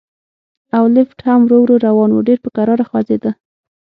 او لفټ هم ورو ورو روان و، ډېر په کراره خوځېده.